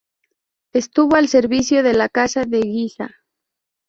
Estuvo al servicio de la casa de Guisa.